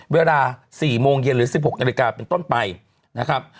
เวลา๔โมงเย็นหรือ๑๖นาฬิกาเป็นต้นไปนะครับ